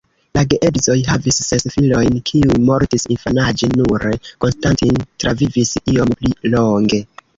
La geedzoj havis ses filojn, kiuj mortis infanaĝe nure "Konstantin" travivis iom pli longe.